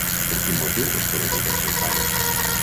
Per quin motiu és conegut el seu pare?